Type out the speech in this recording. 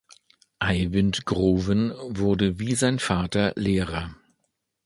Eivind Groven wurde wie sein Vater Lehrer.